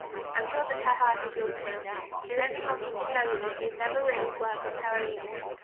I am sure that her heart is yours still. She is only longing to tell you that she has never really swerved from her allegiance.'